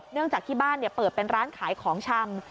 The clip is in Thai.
จากที่บ้านเปิดเป็นร้านขายของชำ